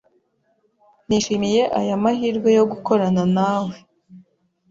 Nishimiye aya mahirwe yo gukorana nawe.